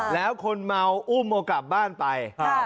แล้วคนเมาอุ้มเอากลับบ้านไป